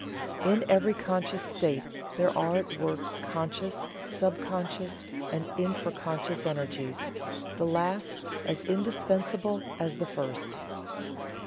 In every conscious state there are at work conscious, sub conscious, and infra conscious energies, the last as indispensable as the first."